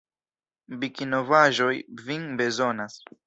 Vikinovaĵoj vin bezonas!